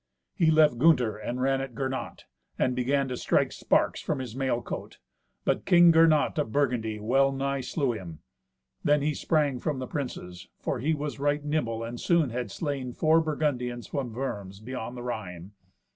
He left Gunther, and ran at Gernot, and began to strike sparks from his mailcoat, but King Gernot of Burgundy well nigh slew him. Then he sprang from the princes, for he was right nimble, and soon had slain four Burgundians from Worms beyond the Rhine.